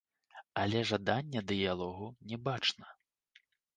Але жадання дыялогу не бачна.